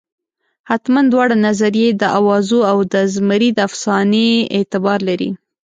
حتمالاً دواړه نظریې د اوازو او د زمري د افسانې اعتبار لري.